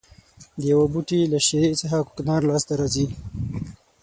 د یوه بوټي له شېرې څخه کوکنار لاس ته راځي.